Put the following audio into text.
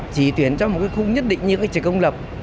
chỉ tuyển cho một khung nhất định như trường công lập